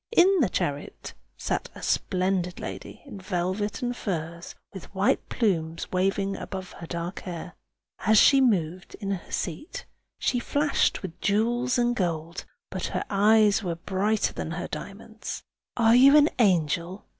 In the chariot sat a splendid lady in velvet and furs, with white plumes waving above her dark hair. As she moved in her seat, she flashed with jewels and gold, but her eyes were brighter than her diamonds. "Are you an angel?"